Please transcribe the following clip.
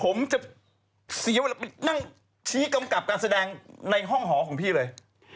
ผมจะเสียเวลาไปนั่งชี้กำกับการแสดงในห้องหอของพี่เลย